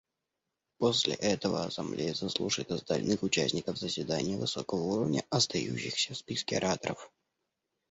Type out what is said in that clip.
После этого Ассамблея заслушает остальных участников заседания высокого уровня, остающихся в списке ораторов.